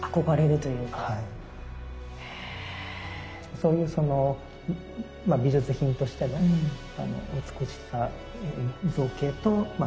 そういうその美術品としての美しさ造形とまあ